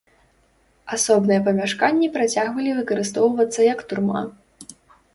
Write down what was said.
Асобныя памяшканні працягвалі выкарыстоўвацца як турма.